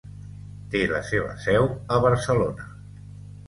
Té la seva seu a Barcelona.